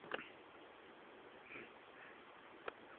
Fue nominado en esas mismas categorías el año siguiente.